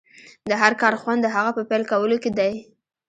د هر کار خوند د هغه په پيل کولو کې دی.